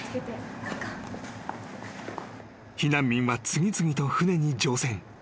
［避難民は次々と船に乗船。